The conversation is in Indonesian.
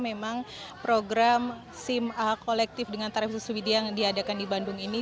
memang program sim kolektif dengan tarif subsidi yang diadakan di bandung ini